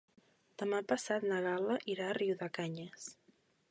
Demà passat na Gal·la irà a Riudecanyes.